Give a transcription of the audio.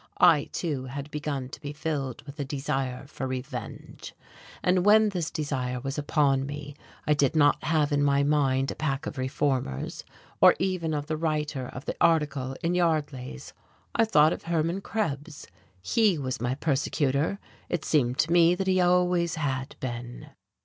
I, too, had begun to be filled with a desire for revenge; and when this desire was upon me I did not have in my mind a pack of reformers, or even the writer of the article in Yardley's. I thought of Hermann Krebs. He was my persecutor; it seemed to me that he always had been....